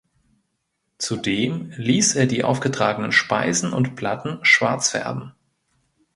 Zudem ließ er die aufgetragenen Speisen und Platten schwarz färben.